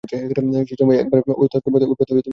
সেই সময়ে এক তস্কর ঐ পথে গমন করিতেছিল।